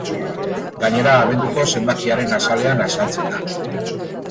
Gainera, abenduko zenbakiaren azalean azaltzen da.